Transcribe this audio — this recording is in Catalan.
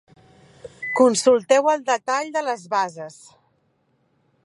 Consulteu el detall de les bases.